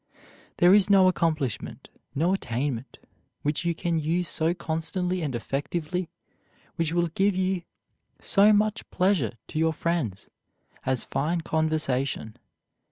There is no accomplishment, no attainment which you can use so constantly and effectively, which will give so much pleasure to your friends, as fine conversation.